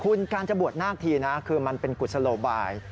คุณการจะบวชนาคทีนะคือมันเป็นกุศโลบาย